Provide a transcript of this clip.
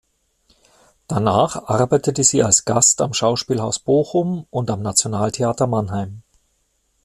Danach arbeitete sie als Gast am Schauspielhaus Bochum und am Nationaltheater Mannheim.